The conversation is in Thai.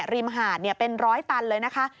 มหาดเป็นร้อยตันเลยนะคะ